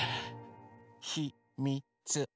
ひ・み・つ。